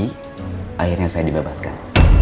penyahapiktif dan kiki akhirnya saya dibebaskan